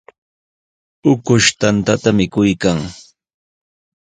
Ukush tantata mikuykan.